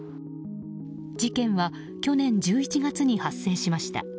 事件は去年１１月に発生しました。